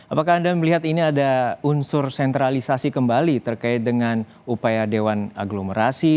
apakah anda melihat ini ada unsur sentralisasi kembali terkait dengan upaya dewan aglomerasi